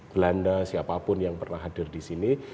belanda siapapun yang pernah hadir di sini